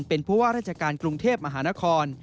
เป็นผู้ว่าราชการกรุงเทพมหานคร